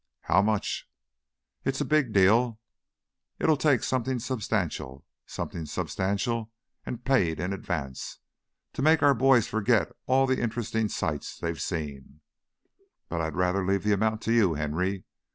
"How much?" "It's a big deal. It'll take something substantial something substantial and paid in advance to make our boys forget all the interesting sights they've seen. But I'd rather leave the amount to you, Henry.